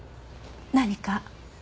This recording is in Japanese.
何か？